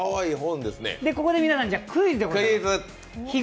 ここでクイズでございます。